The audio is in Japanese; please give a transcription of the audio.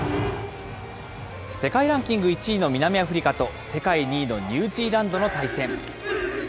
世界ランキング１位の南アフリカと、世界２位のニュージーランドの対戦。